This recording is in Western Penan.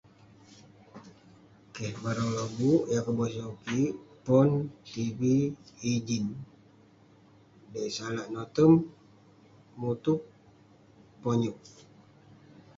keh..barang lobuk yah kebosau kik, pon, tv,ijin..m'dey salak notem, mutup, ponyewk..